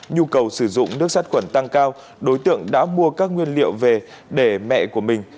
nhu cầu sử dụng nước sát khuẩn tăng cao đối tượng đã mua các nguyên liệu về để mẹ của mình